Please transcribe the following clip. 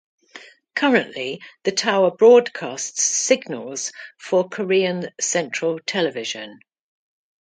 Currently, the tower broadcasts signals for Korean Central Television.